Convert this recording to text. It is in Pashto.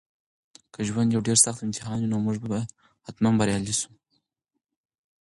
که ژوند یو ډېر سخت امتحان وي نو موږ به حتماً بریالي شو.